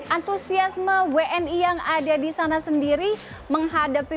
antusiasme wni yang ada di sana sendiri menghadapi